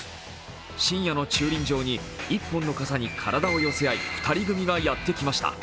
深夜の駐輪場に１本の傘に身を寄せ合い２人組がやってきました。